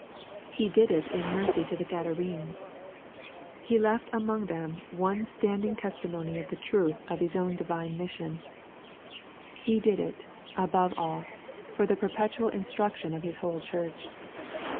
He did it in mercy to the Gadarenes* He left among them one standing testimony of the truth LUKE, CHAP. vm. 277 of His own divine mission. — He did it, above all, for the perpetual instruction of His whole church.